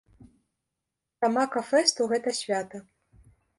Тамака фэст у гэта свята.